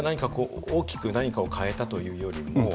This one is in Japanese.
大きく何かを変えたというよりも？